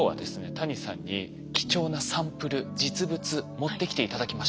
谷さんに貴重なサンプル実物持ってきて頂きました。